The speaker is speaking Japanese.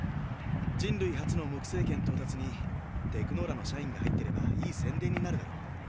人類初の木星圏到達にテクノーラの社員が入ってればいい宣伝になるだろう。